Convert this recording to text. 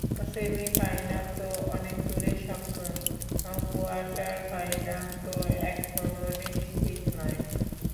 Semifinal তো অনেক দূরের স্বপ্ন, কোয়ার্টার ফাইনালই তো এখনো নিশ্চিত নয়।